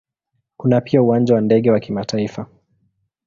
Kuna pia Uwanja wa ndege wa kimataifa.